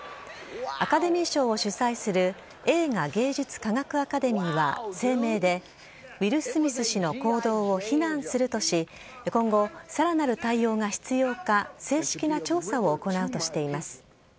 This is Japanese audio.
アカデミー賞を主催する映画芸術科学アカデミーは、声明でウィル・スミス氏の行動を非難するとし、今後、さらなる対応が必要か、正式な調査を行うとしています。